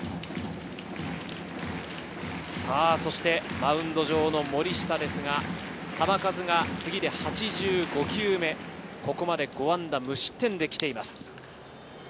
マウンド上の森下ですが、球数が次で８５球目、ここまで５安打、無失点できています。